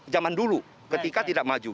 zaman dulu ketika tidak maju